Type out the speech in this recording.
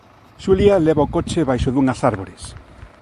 Xulia leva o coche baixo dunhas árbores.